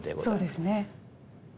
そうですね。